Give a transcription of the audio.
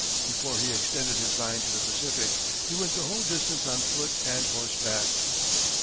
Before he extended his line to the Pacific, he went the whole distance on foot and horseback.